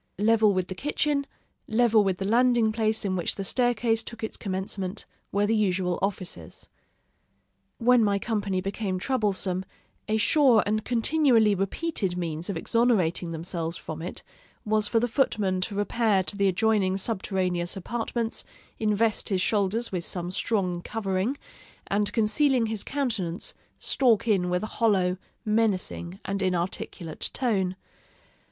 Level with the kitchen level with the landing place in which the staircase took its commencement were the usual offices. When my company became troublesome, a sure and continually repeated means of exonerating themselves from it was for the footman to repair to the adjoining subterraneous apartments, invest his shoulders with some strong covering, and concealing his countenance, stalk in with a hollow, menacing, and inarticulate tone.